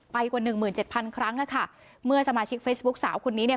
กว่าหนึ่งหมื่นเจ็ดพันครั้งอ่ะค่ะเมื่อสมาชิกเฟซบุ๊คสาวคนนี้เนี่ย